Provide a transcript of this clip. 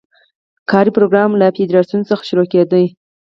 کاري پروګرام له فدراسیون څخه شروع کېدو.